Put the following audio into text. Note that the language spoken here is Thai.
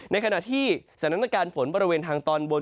ในขณะที่สถานการณ์ฝนบริเวณทางตอนบน